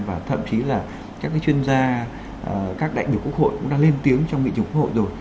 và thậm chí là các chuyên gia các đại biểu quốc hội cũng đã lên tiếng trong nghị trường quốc hội rồi